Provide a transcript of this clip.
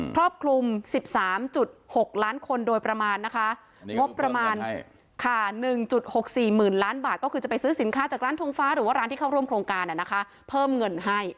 ครอบคลุม๑๓๖ล้านคนโดยประมาณนะคะงบประมาณค่ะ๑๖๔๐๐๐ล้านบาทก็คือจะไปซื้อสินค้าจากร้านทงฟ้าหรือว่าร้านที่เข้าร่วมโครงการเพิ่มเงินให้